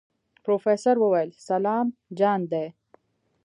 پروفيسر وويل سلام جان دی.